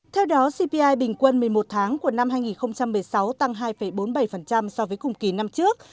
theo đó cpi bình quân một mươi một tháng của năm hai nghìn một mươi sáu tăng hai bốn mươi bảy so với cùng kỳ năm trước